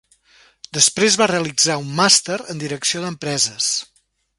Després va realitzar un màster en direcció d'empreses.